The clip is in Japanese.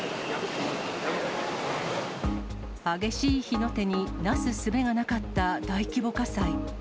激しい火の手になすすべがなかった大規模火災。